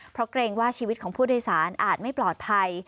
เพราะเกรงว่าชีวิตของผู้โดยสารอาจไม่ปลอดภัย